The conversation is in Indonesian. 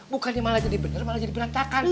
bukannya malah jadi benar malah jadi berantakan